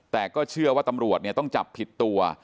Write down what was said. แต่ก็เชื่อว่าตำรวจต้องจับผิดตัว